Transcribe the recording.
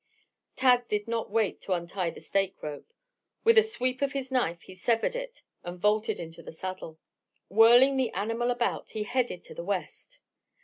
Tad did not wait to untie the stake rope. With a sweep of his knife he severed it and vaulted into the saddle. Whirling the animal about he headed to the west.